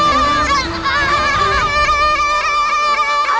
padahal kamu tuh gak